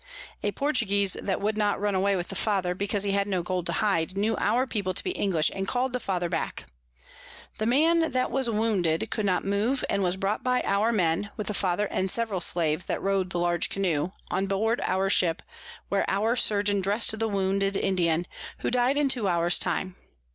A Portuguese that would not run away with the Father, because he had no Gold to hide, knew our People to be English, and call'd the Father back. The Man that was wounded could not move, and was brought by our Men, with the Father and several Slaves that row'd the large Canoe, on board our Ship, where our Surgeon dress'd the wounded Indian, who died in two hours time.